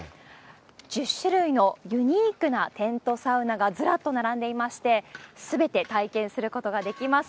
１０種類のユニークなテントサウナがずらっと並んでいまして、すべて体験することができます。